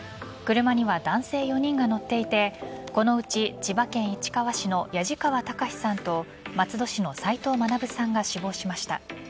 車には男性４人が乗っていてこのうち千葉県市川市の矢路川孝さんと松戸市の斎藤学さんが死亡しました。